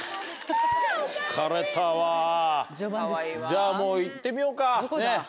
じゃもう行ってみようかねっ。